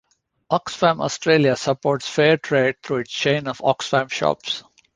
Oxfam Australia supports fair trade through its chain of Oxfam Shops.